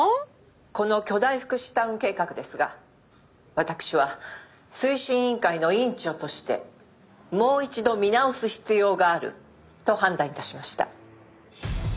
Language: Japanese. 「この巨大福祉タウン計画ですが私は推進委員会の委員長としてもう一度見直す必要があると判断致しました」